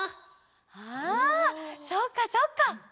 あそっかそっか。